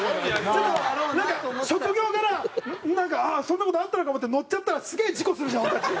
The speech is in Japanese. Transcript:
なんか職業柄ああそんな事あったのかもって乗っちゃったらすげえ事故するじゃん俺たち。